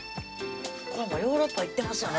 これもうヨーロッパ行ってますよね